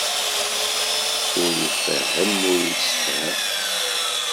Ur ifehhem, ur yessefham.